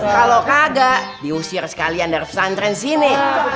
kalau kagak diusir sekalian dari pesantren sini